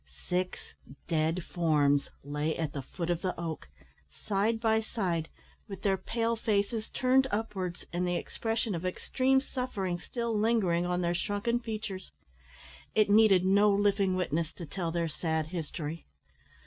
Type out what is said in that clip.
Six dead forms lay at the foot of the oak, side by side, with their pale faces turned upwards, and the expression of extreme suffering still lingering on their shrunken features. It needed no living witness to tell their sad history.